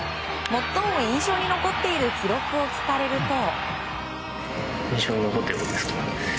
最も印象に残っている記録を聞かれると。